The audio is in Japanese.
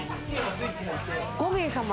５名様。